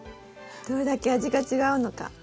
どれだけ味が違うのか。